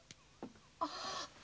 ああ。